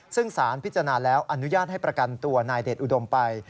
ซึ่งสารพิจารณาแล้วอนุญาตให้ประกันตัวนายเดชอุดมไป